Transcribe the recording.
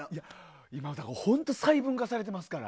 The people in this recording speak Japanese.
今、細分化されてますから。